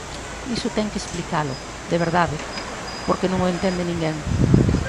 Iso ten que explicalo, de verdade, porque non o entende ninguén.